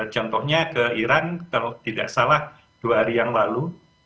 contohnya ke iran kalau tidak salah dua hari yang lalu